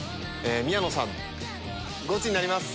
宮野さんゴチになります！